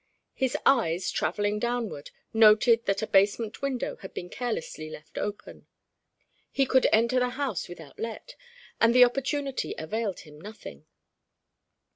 His eyes, travelling downward, noted that a basement window had been carelessly left open. He could enter the house without let and the opportunity availed him nothing.